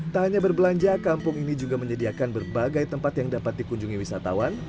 tak hanya berbelanja kampung ini juga menyediakan berbagai tempat yang dapat dikunjungi wisatawan